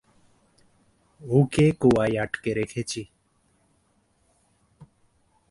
ওকে কুয়ায় আটকে রেখেছি।